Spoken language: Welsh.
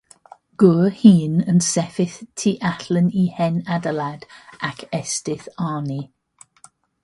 Gŵr hŷn yn sefyll tu allan i hen adeilad ac estyll arni.